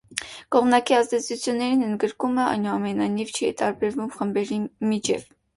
Կողմնակի ազդեցությունների ընդգրկումը, այնուամենայնիվ, չի տարբերվում խմբերի միջև։